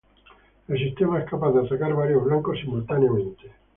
El sistema es capaz de atacar varios blancos simultáneamente.